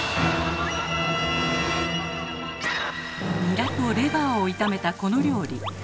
ニラとレバーを炒めたこの料理。